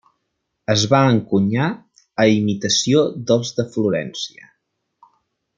Es va encunyar a imitació dels de Florència.